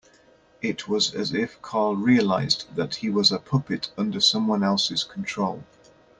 It was as if Carl realised that he was a puppet under someone else's control.